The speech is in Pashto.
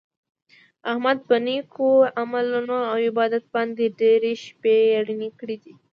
احمد په نېکو عملونو او عبادت باندې ډېرې شپې رڼې کړي دي.